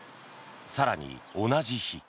更に、同じ日。